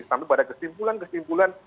sampai pada kesimpulan kesimpulan